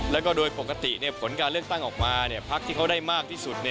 แล้วก็โดยปกติผลการเลือกตั้งออกมาพักที่เขาได้มากที่สุด